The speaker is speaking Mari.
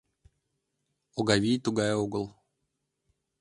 — Огавий тугай огыл.